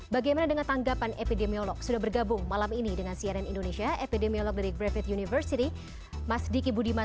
bagaimana dengan tanggapan epidemiolog sudah bergabung malam ini dengan crn indonesia epidemiolog dari graffiti university mas diki budi mas